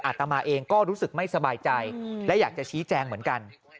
อาตมาเองก็รู้สึกไม่สบายใจและอยากจะชี้แจงเหมือนกัน